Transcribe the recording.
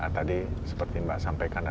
tadi seperti mbak sampaikan